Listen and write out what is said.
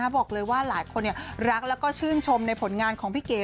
บอกเลยว่าหลายคนรักแล้วก็ชื่นชมในผลงานของพี่เก๋